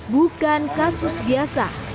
bukan kasus biasa